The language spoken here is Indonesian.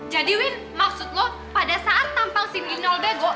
jadi win maksud lo pada saat tampang si lino bego